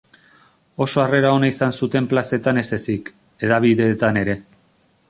Oso harrera ona izan zuten plazetan ez ezik, hedabideetan ere.